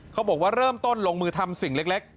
เขาบอกว่าเริ่มต้นลงมือทำสิ่งเล็ก